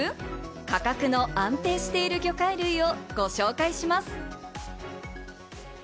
価格の安定している魚介類をご紹介します。